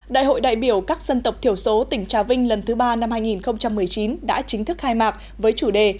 đại hội đại biểu các dân tộc thiểu số tỉnh trà vinh lần thứ ba năm hai nghìn một mươi chín đã chính thức khai mạc với chủ đề